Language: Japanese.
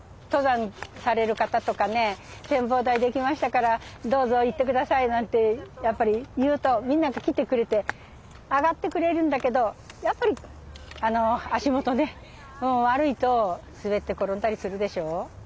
登山される方とかね「展望台出来ましたからどうぞ行って下さい」なんてやっぱり言うとみんなが来てくれて上がってくれるんだけどやっぱり足元ね悪いと滑って転んだりするでしょう。